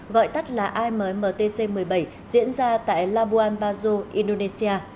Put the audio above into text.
gọi tắt là ammtc một mươi bảy diễn ra tại labuan bajo indonesia